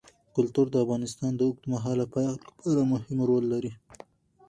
کلتور د افغانستان د اوږدمهاله پایښت لپاره مهم رول لري.